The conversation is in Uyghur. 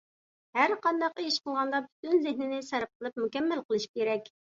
ھەر قانداق ئىش قىلغاندا پۈتۈن زېھنىنى سەرپ قىلىپ، مۇكەممەل قىلىش كېرەك.